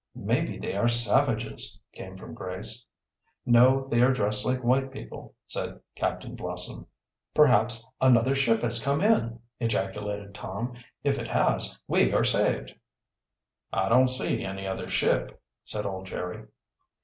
"Maybe they are savages," came from Grace. "No, they are dressed like white people," said Captain Blossom.. "Perhaps another ship has come in!" ejaculated Tom. "If it has, we are saved!" "I don't see any other ship," said old Jerry.